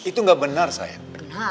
itu enggak benar sayang